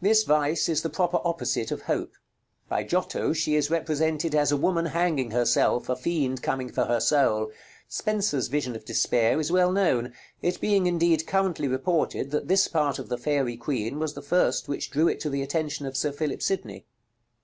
This vice is the proper opposite of Hope. By Giotto she is represented as a woman hanging herself, a fiend coming for her soul. Spenser's vision of Despair is well known, it being indeed currently reported that this part of the Faerie Queen was the first which drew to it the attention of Sir Philip Sidney.